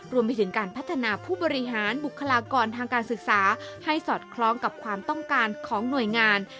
รวมไปถึงการพัฒนาผู้บริหารบุคลากรทางการศึกษาให้สอดคล้องกับความต้องการของหน่วยงาน